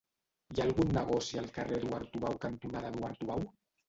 Hi ha algun negoci al carrer Eduard Tubau cantonada Eduard Tubau?